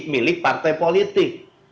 milik partai politik